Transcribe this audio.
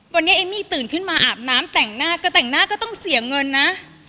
วันนี้เอมมี่ตื่นขึ้นมาอาบน้ำแต่งหน้าก็แต่งหน้าก็ต้องเสียเงินนะ